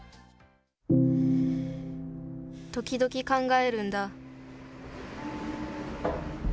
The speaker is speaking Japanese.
時々考えるんだ。